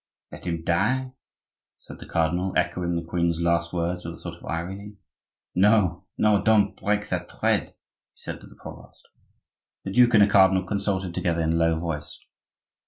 "Let him die?" said the cardinal, echoing the queen's last words with a sort of irony; "no, no! don't break that thread," he said to the provost. The duke and the cardinal consulted together in a low voice.